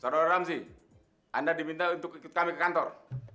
saudara ramsi anda diminta untuk ikut kami ke kantor